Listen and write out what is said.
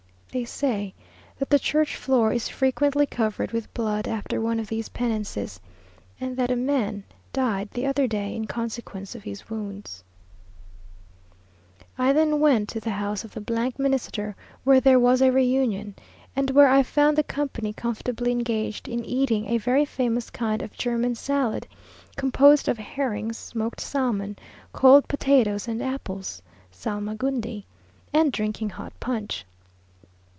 They say that the church floor is frequently covered with blood after one of these penances, and that a man died the other day in consequence of his wounds. I then went to the house of the Minister, where there was a reunion, and where I found the company comfortably engaged in eating a very famous kind of German salad, composed of herrings, smoked salmon, cold potatoes, and apples; (salmagundi?) and drinking hot punch.